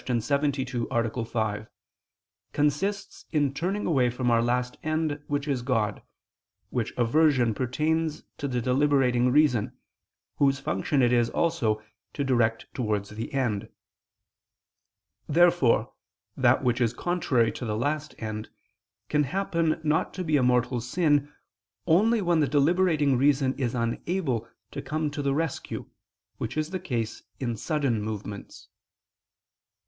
72, A. 5), consists in turning away from our last end which is God, which aversion pertains to the deliberating reason, whose function it is also to direct towards the end. Therefore that which is contrary to the last end can happen not to be a mortal sin, only when the deliberating reason is unable to come to the rescue, which is the case in sudden movements.